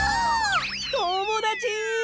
ともだち！